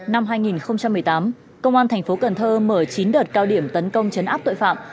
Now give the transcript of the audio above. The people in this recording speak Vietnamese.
năm hai nghìn một mươi tám công an thành phố cần thơ mở chín đợt cao điểm tấn công chấn áp tội phạm